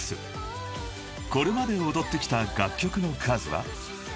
［これまで踊ってきた楽曲の数は］